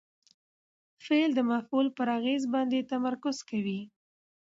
فعل د مفعول پر اغېز باندي تمرکز کوي.